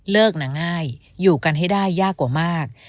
นะง่ายอยู่กันให้ได้ยากกว่ามาก